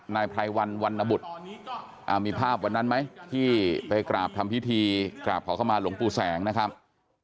นายไพรวันวันนบุตรมีภาพวันนั้นไหมที่ไปกราบทำพิธีกราบขอเข้ามาหลวงปู่แสงนะครับ